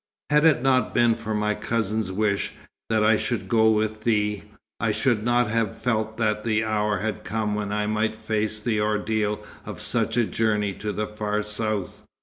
Had it not been for my cousin's wish that I should go with thee, I should not have felt that the hour had come when I might face the ordeal of such a journey to the far south.